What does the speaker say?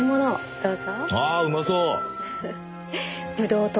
どうぞ。